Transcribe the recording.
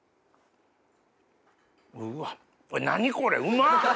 うわっ何これうまっ！